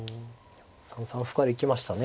３三歩から行きましたね。